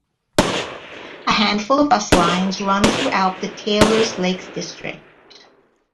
A handful of bus lines run throughout the Taylors Lakes district.